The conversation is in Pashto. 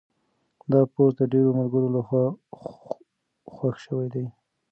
دا پوسټ د ډېرو ملګرو لخوا خوښ شوی دی.